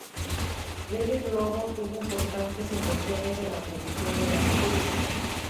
Rede Globo tuvo importantes inversiones en la producción de la novela.